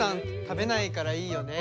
食べないからいいよね。